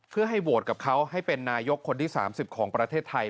เพื่อให้โหวตกับเขาให้เป็นนายกคนที่๓๐ของประเทศไทย